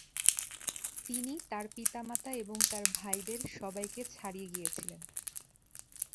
তিনি তার পিতা-মাতা এবং তাঁর ভাইদের সবাইকে ছাড়িয়ে গিয়েছিলেন।